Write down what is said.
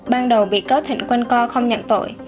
ban đầu bị cơ thịnh quân co không nhận tội